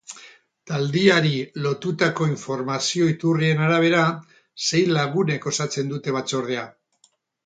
Taldeari lotutako informazio iturrien arabera, sei lagunek osatzen dute batzordea.